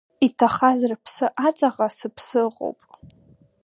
Иҭахаз рыԥсы аҵаҟа сыԥсы ыҟоуп.